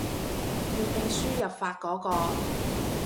粵拼輸入法嗰個